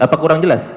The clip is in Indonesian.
apa kurang jelas